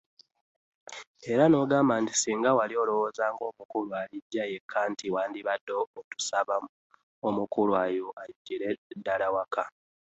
Era n'ogamba nti singa wali olowooza nga omukulu alijja yekka nti wandibadde otusabye omukulu oyo ajjire ddala waka.